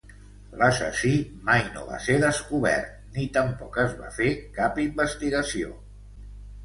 L'assassí mai no va ser descobert ni tampoc es va fer cap investigació.